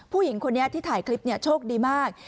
ผู้หญิงคนนี้ที่ถ่ายคลิปโชคดีมาก